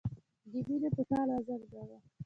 د مینې په ټال وزنګاوه.